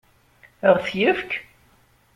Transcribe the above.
Ad ɣ-t-yefk?